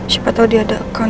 siapa tahu dia ada account